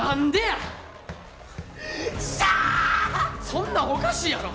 そんなんおかしいやろ！